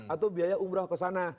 atau biaya umroh ke sana